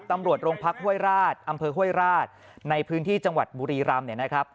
ตำรวจโรงพักฮ่วยราชอำเภอฮ่วยราชในพื้นที่จังหวัดบุรีรัมน์